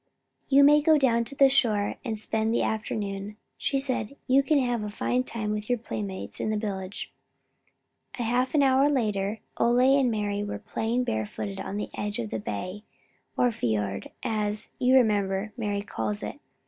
"You may go down to the shore, and spend the afternoon," she said. "You can have a fine time with your playmates in the village." A half hour later Ole and Mari were playing barefooted on the edge of the bay, or fiord, as, you remember, Mari calls it.